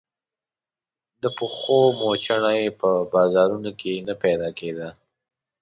د پښو موچڼه يې په بازارونو کې نه پيدا کېده.